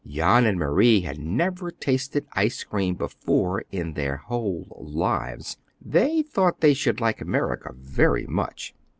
Jan and Marie had never tasted ice cream before in their whole lives! They thought they should like America very much.